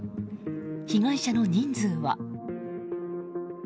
被害者の人数は。